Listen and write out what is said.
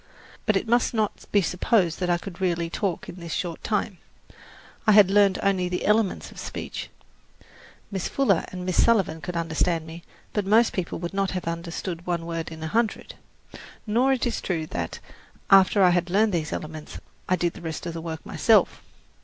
But it must not be supposed that I could really talk in this short time. I had learned only the elements of speech. Miss Fuller and Miss Sullivan could understand me, but most people would not have understood one word in a hundred. Nor is it true that, after I had learned these elements, I did the rest of the work myself.